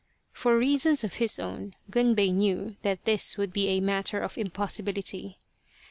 For reasons of his own Gunbei knew that this would be a matter of impossibility.